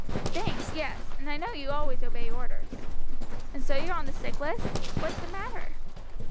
"Thanks, yes; and I know you always obey orders. And so you're on the sick list? what's the matter?"